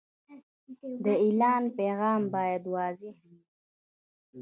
د اعلان پیغام باید واضح وي.